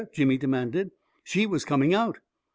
" Jimmy demanded. " She was coming out